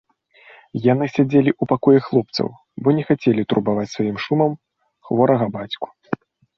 Яны сядзелі ў пакоі хлопцаў, бо не хацелі турбаваць сваім шумам хворага бацьку.